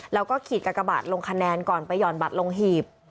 แล้วก็ขีดกากบาทลงคะแนนก่อนไปห่อนบัตรลงหีบ